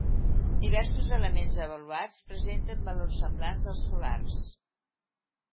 Diversos elements avaluats presenten valors semblants als solars.